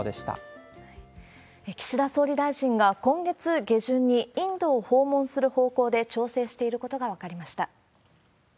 岸田総理大臣が、今月下旬にインドを訪問する方向で調整していることが分かりました。